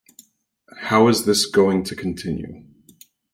How is This Going to Continue?